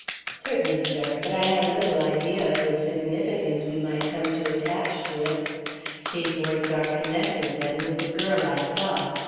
"Certainly, sir; but I had little idea of the significance we might come to attach to it. These words are connected, then, with the girl I saw.